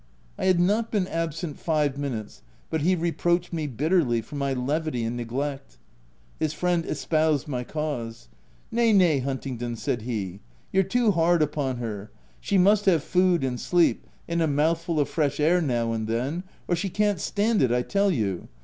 I had not been absent five minutes, but he reproached me bitterly for my levity and neglect. His friend espoused my cause :—" Nay, nay, Huntingdon, " said he, "you're too hard upon her — she must have food and sleep, and a mouthful of fresh air now and then, or she can't stand it I tell you.